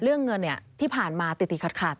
เรื่องเงินที่ผ่านมาติดติดขัด